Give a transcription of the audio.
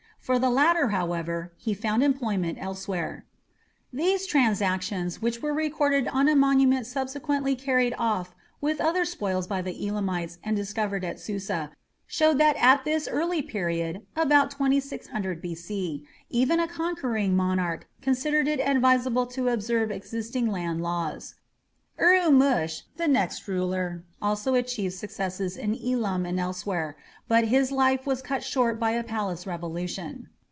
For the latter, however, he found employment elsewhere. These transactions, which were recorded on a monument subsequently carried off with other spoils by the Elamites and discovered at Susa, show that at this early period (about 2600 B.C.) even a conquering monarch considered it advisable to observe existing land laws. Urumush, the next ruler, also achieved successes in Elam and elsewhere, but his life was cut short by a palace revolution.